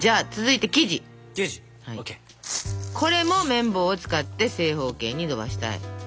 これもめん棒を使って正方形にのばしたい。